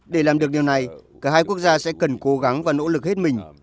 để làm được điều này cả hai quốc gia sẽ cần cố gắng và nỗ lực hết mình